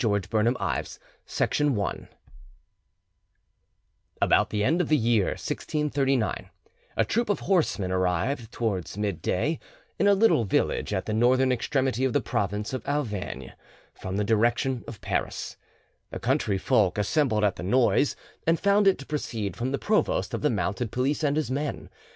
*THE COUNTESS DE SAINT GERAN—1639* About the end of the year 1639, a troop of horsemen arrived, towards midday, in a little village at the northern extremity of the province of Auvergne, from the direction of Paris. The country folk assembled at the noise, and found it to proceed from the provost of the mounted police and his men.